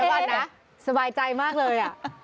เดี๋ยววันนะสบายใจมากเลย